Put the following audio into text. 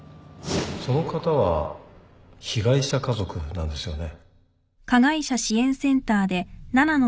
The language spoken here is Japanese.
その方は被害者家族なんですよね？